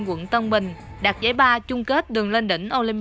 quận tân bình đạt giải ba chung kết đường lên đỉnh ôn lĩnh hai nghìn một mươi tám